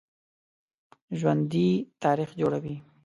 ژوندي تاریخ جوړوي